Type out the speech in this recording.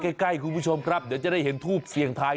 น่ะที่ดูใกล้คุณผู้ชมครับเดี๋ยวจะได้เห็นทูปเสียงทาย